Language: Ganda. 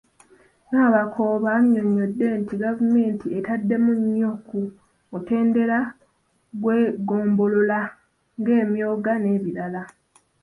Nabakooba annyonnyodde nti gavumenti etaddemu nnyo ku mutendera gw'eggombolola ng'emyooga n'endala.